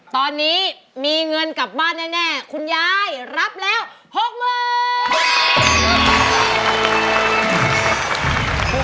ตอนนี้มีเงินกลับบ้านแน่คุณยายรับแล้ว๖๐๐๐บาท